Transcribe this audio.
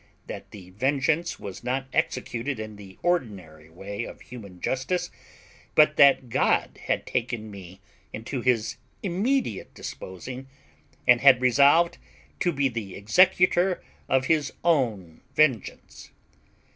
that the vengeance was not executed in the ordinary way of human justice, but that God had taken me into His immediate disposing, and had resolved to be the executer of His own vengeance.